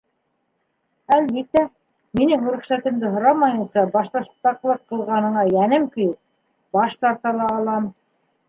Әлбиттә, минең рөхсәтемде һорамайынса башбаштаҡлыҡ ҡылғаныңа йәнем көйөп, баш тарта ла алам.